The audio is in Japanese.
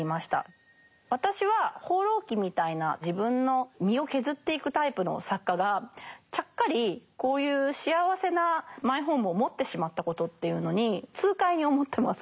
私は「放浪記」みたいな自分の身を削っていくタイプの作家がちゃっかりこういう幸せなマイホームを持ってしまったことっていうのに痛快に思ってます。